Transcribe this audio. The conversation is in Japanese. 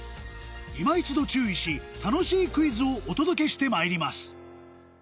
いま一度注意し楽しいクイズをお届けしてまいります